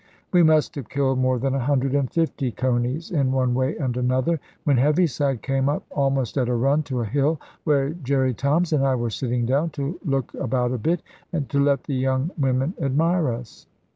We must have killed more than a hundred and fifty coneys, in one way and another, when Heaviside came up, almost at a run, to a hill where Jerry Toms and I were sitting down, to look about a bit, and to let the young women admire us.